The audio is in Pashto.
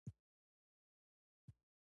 د کمپیوټر فین مې ډېر غږ کوي.